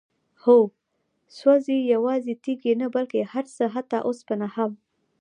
هو؛ سوزي، يوازي تيږي نه بلكي هرڅه، حتى اوسپنه هم